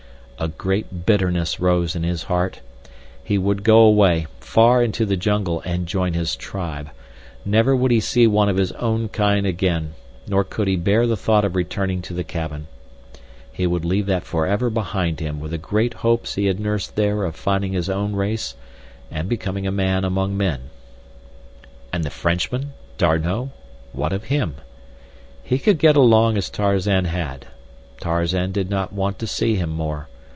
A great bitterness rose in his heart. He would go away, far into the jungle and join his tribe. Never would he see one of his own kind again, nor could he bear the thought of returning to the cabin. He would leave that forever behind him with the great hopes he had nursed there of finding his own race and becoming a man among men. And the Frenchman? D'Arnot? What of him? He could get along as Tarzan had. Tarzan did not want to see him more.